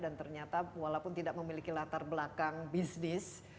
dan ternyata walaupun tidak memiliki latar belakang bisnis